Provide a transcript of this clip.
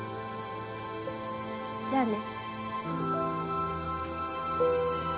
じゃあね。